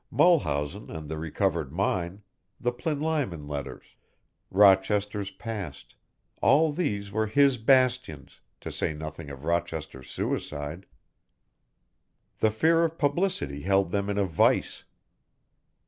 Mulhausen and the recovered mine, the Plinlimon letters, Rochester's past, all these were his bastions, to say nothing of Rochester's suicide. The fear of publicity held them in a vice.